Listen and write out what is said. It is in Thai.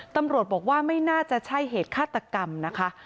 ตำรวจบอกว่าไม่น่าจะใช่เหตุฆาตกรรมนะคะ